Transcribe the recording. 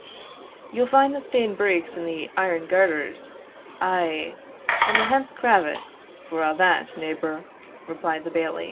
"Ye'll find the stane breeks and the airn garters ay, and the hemp cravat, for a' that, neighbour," replied the Bailie.